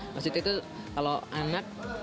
maksudnya itu kalau anak